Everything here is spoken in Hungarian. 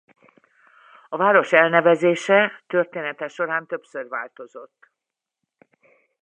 A város elnevezése története során többször változott.